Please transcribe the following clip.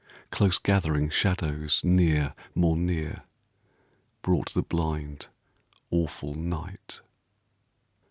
Close gathering shadows near, more near, Brought the blind, awful night.